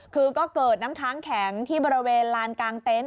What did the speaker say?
คือก็เกิดน้ำค้างแข็งที่บริเวณลานกลางเต็นต